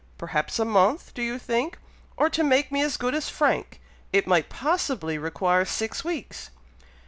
Perhaps a month, do you think? or to make me as good as Frank, it might possibly require six weeks."